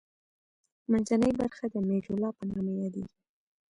منځنۍ برخه د میدولا په نامه یادیږي.